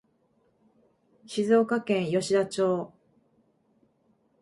静岡県吉田町